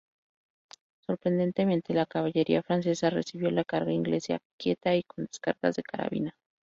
Sorprendentemente, la caballería francesa recibió la carga inglesa quieta y con descargas de carabina.